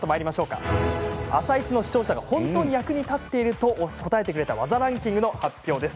「あさイチ」の視聴者が本当に役に立っていると答えてくれた技ランキングの発表です。